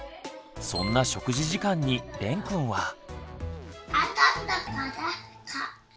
そんな食事時間にれんくんは。